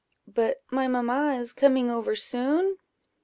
"But my mamma is coming over soon?"